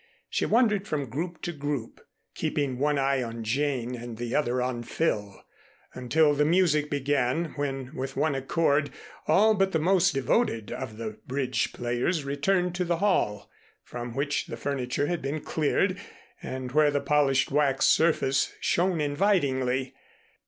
She wandered from group to group, keeping one eye on Jane and the other on Phil, until the music began, when with one accord, all but the most devoted of the bridge players returned to the hall, from which the furniture had been cleared, and where the polished wax surface shone invitingly.